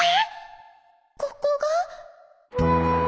ここが？